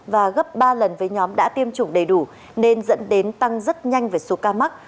và gấp ba lần với nhóm đã tiêm chủng đầy đủ nên dẫn đến tăng rất nhanh về số ca mắc